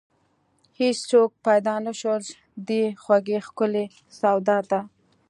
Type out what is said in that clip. هیڅوک پیدا نشول، دې خوږې ښکلې سودا ته